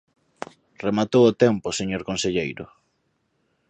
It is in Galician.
Rematou o tempo, señor conselleiro.